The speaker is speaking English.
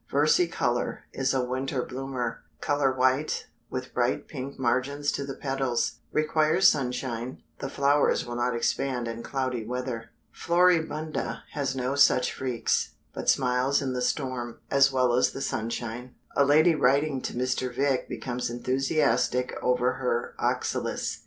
Versicolor is a winter bloomer; color white, with bright pink margins to the petals; requires sunshine; the flowers will not expand in cloudy weather. Floribunda has no such freaks, but smiles in the storm, as well as the sunshine. A lady writing to Mr. Vick becomes enthusiastic over her Oxalis.